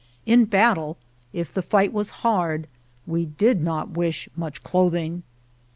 In battle, if the fight was hard, we did not wish much cloth ing.